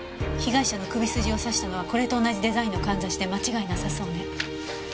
被害者の首筋を刺したのはこれと同じデザインのかんざしで間違いなさそうね。